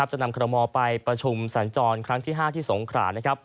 จะนำครมอไปประชุมแสนจรครั้งที่๕ที่สงข์หลาย